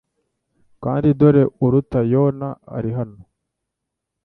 kandi dore uruta Yona ari hano."